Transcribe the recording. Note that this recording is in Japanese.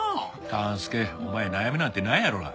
勘介お前悩みなんてないやろが。